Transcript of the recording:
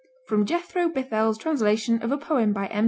FROM JETHRO BITHELL'S TRANSLATION OF A POEM BY M.